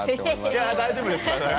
いや大丈夫です。